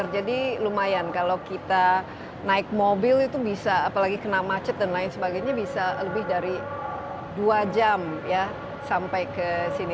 jadi lumayan kalau kita naik mobil itu bisa apalagi kena macet dan lain sebagainya bisa lebih dari dua jam sampai ke sini